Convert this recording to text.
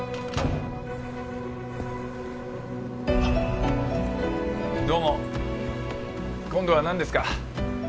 あっどうも今度は何ですか？